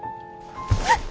あっ！